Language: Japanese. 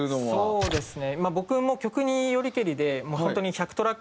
そうですね。